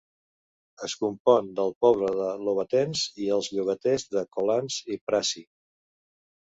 Es compon del poble de Lovatens i els llogarets de Colans i Prassy.